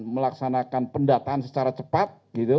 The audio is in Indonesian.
melaksanakan pendataan secara cepat